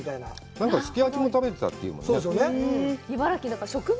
なんか、すき焼きも食べてたっていうもんね。